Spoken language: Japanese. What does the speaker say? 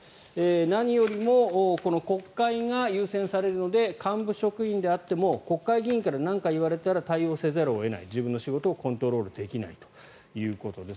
何よりもこの国会が優先されるので幹部職員であっても国会議員から何か言われたら対応せざるを得ない自分の仕事をコントロールできないということです。